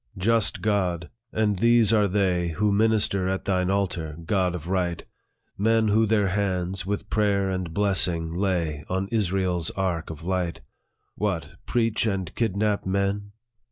" Just God ! and these are they, Who minister at thine altar, God of right ! Men who their hands, with prayer and blessing, lay On Israel's ark of light " What ! preach, and kidnap men